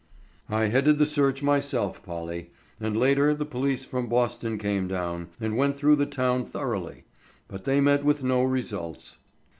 "I headed the search myself, Polly; and later the police from Boston came down, and went through the town thoroughly. But they met with no results."